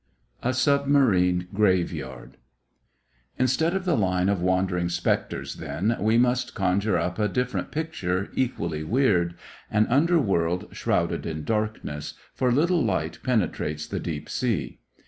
A SUBMARINE GRAVEYARD Instead of the line of wandering specters, then, we must conjure up a different picture, equally weird an under world shrouded in darkness; for little light penetrates the deep sea.